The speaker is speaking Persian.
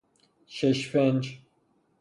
شش فنج